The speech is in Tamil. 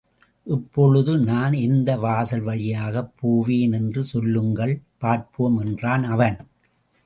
இப்பொழுது நான் எந்த வாசல், வழியாகப் போவேன் என்று சொல்லுங்கள், பார்ப்போம்! என்றான் அவன்.